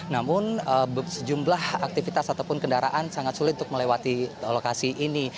namun sejumlah aktivitas ataupun kendaraan sangat sulit untuk melewati lokasi ini